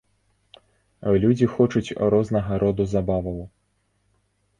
Людзі хочуць рознага роду забаваў.